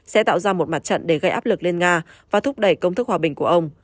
sẽ tạo ra một mặt trận để gây áp lực lên nga và thúc đẩy công thức hòa bình của ông